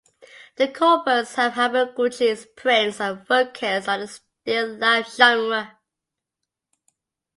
The corpus of Hamaguchi’s prints are focused on the still life genre.